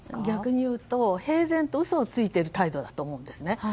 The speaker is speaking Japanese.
逆に言うと平然と嘘をついている態度だと思うんですね。